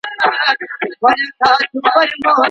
که د هوایی ډګر تشنابونه پاک وي، نو میکروبونه نه خپریږي.